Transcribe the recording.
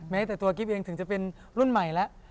แม้แต่ตัวกิ๊บเองถึงจะเป็นรุ่นใหม่แล้ว